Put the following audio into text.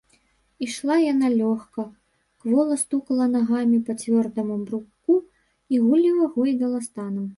Ішла яна лёгка, квола стукала нагамі па цвёрдаму бруку і гулліва гойдала станам.